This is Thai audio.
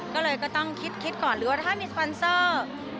ก็เลยก็ต้องคิดก่อนหรือว่าถ้ามีสปอนเซอร์